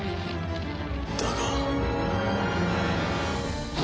だが